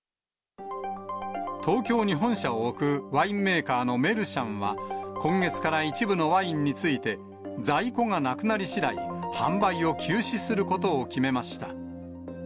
東京に本社を置くワインメーカーのメルシャンは、今月から一部のワインについて、在庫がなくなりしだい、販売を休止することを決めました。